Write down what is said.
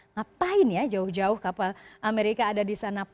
ngapain ya jauh jauh kapal amerika ada di sana